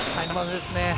まずまずですね。